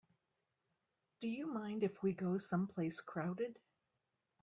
Do you mind if we go someplace crowded?